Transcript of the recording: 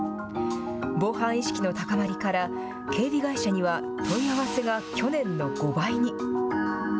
防犯意識の高まりから、警備会社には問い合わせが去年の５倍に。